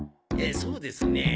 そうですねえ。